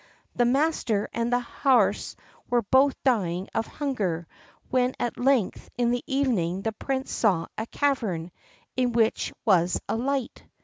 The master and the horse were both dying of hunger, when at length in the evening the Prince saw a cavern, in which was a light.